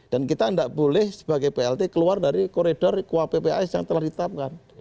dan kita tidak boleh sebagai plt keluar dari koridor kuappas yang telah ditetapkan